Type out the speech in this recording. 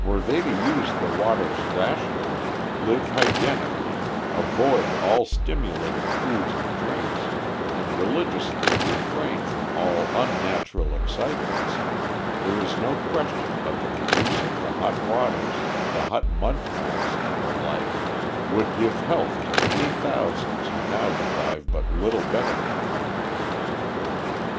Were they to use the waters rationally, live hygienically, avoid all stimulating foods and drinks, and religiously refrain from all unnatural excitements, there is no question but that the use of the hot waters, the hot mud packs, and the like, would give health to many thousands who now derive but little benefit from them.